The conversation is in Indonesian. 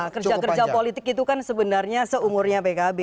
kerja kerja politik itu kan sebenarnya seumurnya pkb